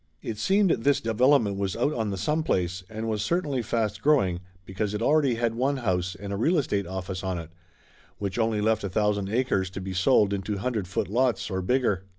It seemed this development was out on the Someplace, and was cer tainly fast growing because it already had one house and a real estate office on it, which only left a thousand acres to be sold into hundred foot lots, or bigger.